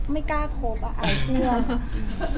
ไม่กล้าครบอะอายเพื่อน